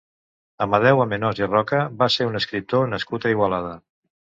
Amadeu Amenós i Roca va ser un escriptor nascut a Igualada.